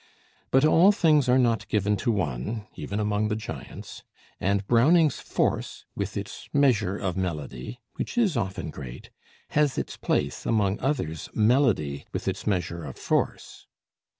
But all things are not given to one, even among the giants; and Browning's force with its measure of melody (which is often great) has its place among others' melody with its measure of force.